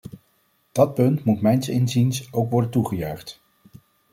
Dat punt moet mijns inziens ook worden toegejuicht.